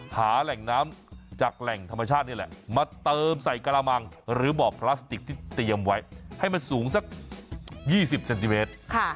หาแหล่งน้ำจากแหล่งธรรมชาตินี่แหละมาเติมใส่กระมังหรือบ่อพลาสติกที่เตรียมไว้ให้มันสูงสัก๒๐เซนติเมตร